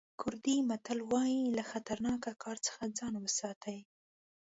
کوردي متل وایي له خطرناکه کار څخه ځان وساتئ.